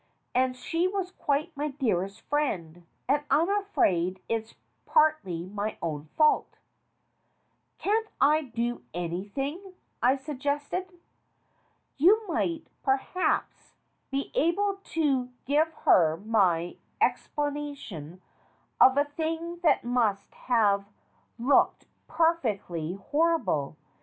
And she was quite my dearest friend, and I'm afraid it's partly my own fault." "Can't I do anything?" I suggested. "You might, perhaps, be able to give her my ex planation of a thing that must have looked perfectly horrible.